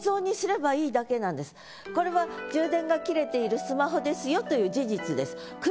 これは充電が切れているスマホですよという事実です。